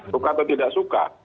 suka atau tidak suka